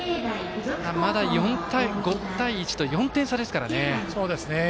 まだ５対１と４点差ですからね。